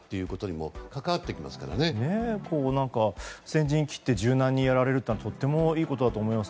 今後、先陣を切って柔軟にやられるのはとてもいいことだと思います。